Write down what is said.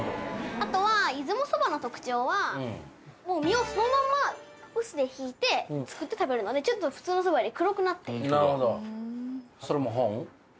あとは出雲そばの特徴はもう実をそのまま臼でひいて作って食べるのでちょっと普通のそばより黒くなっている。